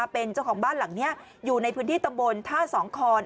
เป็นเจ้าของบ้านหลังนี้อยู่ในพื้นที่ตำบลท่าสองคอน